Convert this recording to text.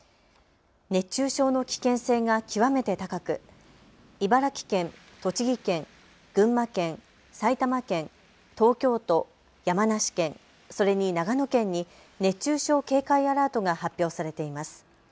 熱中症の危険性が極めて高く茨城県、栃木県、栃木県、群馬県、埼玉県、東京都、山梨県、それに長野県に熱中症警戒アラートが発表されています。